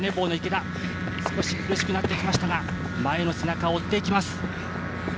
少し苦しくなってきましたが前の背中を追っていきます。